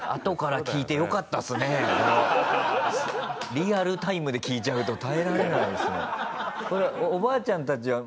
リアルタイムで聞いちゃうと耐えられないですもん。